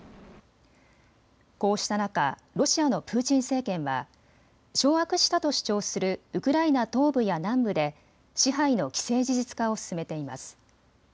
こうした中、ロシアのプーチン政権は掌握したと主張するウクライナ東部や南部で支配の既成事実化を進めています。